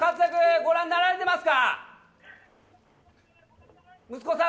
ご覧になられてますか？